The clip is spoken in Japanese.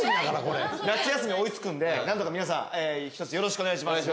夏休み追い付くんで何とか皆さんひとつよろしくお願いします。